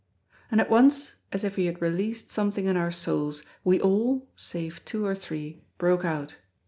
And at once, as if he had released something in our souls, we all (save two or three) broke out.